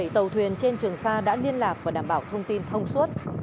bảy tàu thuyền trên trường sa đã liên lạc và đảm bảo thông tin thông suốt